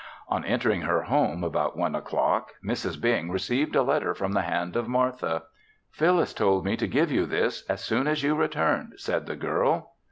On entering her home, about one o'clock, Mrs. Bing received a letter from the hand of Martha. "Phyllis told me to give you this as soon as you returned," said the girl.